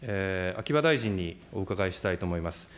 秋葉大臣にお伺いしたいと思います。